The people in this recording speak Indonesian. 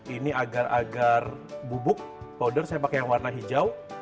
ini agar agar bubuk powder saya pakai yang warna hijau